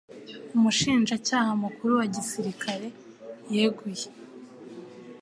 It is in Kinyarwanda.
umushinjacyaha mukuru wa gisirikare yeguye